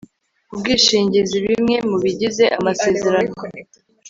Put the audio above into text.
Ubwishingizibimwe mubigze amasezerano